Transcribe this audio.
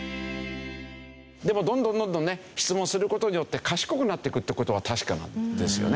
でもどんどんどんどんね質問する事によって賢くなっていくって事は確かなんですよね。